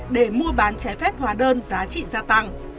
để mua bán trái phép hóa đơn giá trị gia tăng